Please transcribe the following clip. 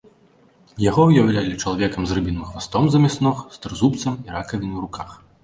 Яго ўяўлялі чалавекам з рыбіным хвастом замест ног, з трызубцам і ракавінай у руках.